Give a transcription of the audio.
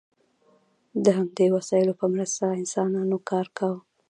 د همدې وسایلو په مرسته انسانانو کار کاوه.